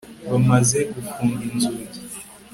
bamaze gufunga inzugi